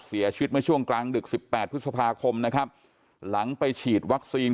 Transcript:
เสียชีวิตเมื่อช่วงกลางดึกสิบแปดพฤษภาคมนะครับหลังไปฉีดวัคซีน